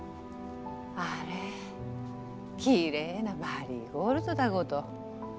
あれきれいなマリーゴールドだごど。